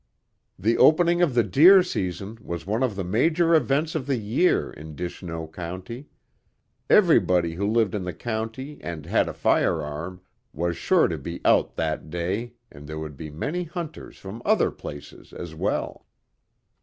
The opening of the deer season was one of the major events of the year in Dishnoe County. Everybody who lived in the county and had a firearm was sure to be out that day and there would be many hunters from other places as well.